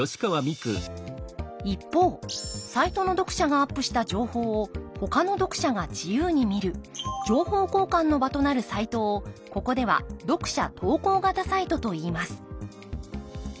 一方サイトの読者がアップした情報をほかの読者が自由に見る情報交換の場となるサイトをここでは読者投稿型サイトといいます